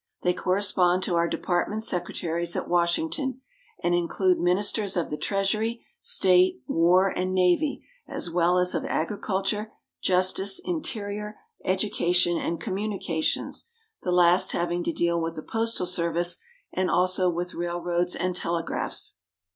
They correspond to our department secretaries at Washington; and include Ministers of the Treasury, State, War, and Navy, as well as of Agriculture, Justice, Interior, Education, and Communications, the last having to deal with the Postal Service and also with rail roads and telegraphs.